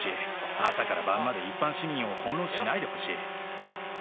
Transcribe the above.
朝から晩まで一般市民を翻弄しないでほしい。